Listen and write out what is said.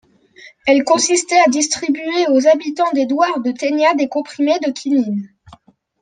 Elle consistait à distribuer aux habitants des douars de Thénia des comprimés de quinine.